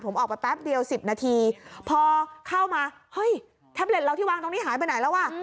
ผมออกไปแป๊บเดียว๑๐นาทีพอเข้ามาเฮ้ยแท็บเล็ตเราที่วางตรงนี้หายไปไหนแล้วว่ะ